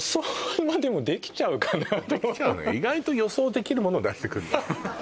意外と予想できるものを出してくんのよ